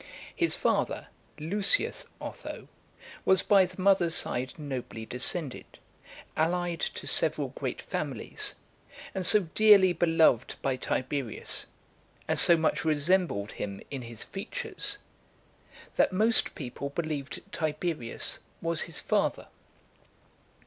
His father, Lucius Otho, was by the mother's side nobly descended, allied to several great families, and so dearly beloved by Tiberius, and so much resembled him in his features, that most people believed Tiberius was his father.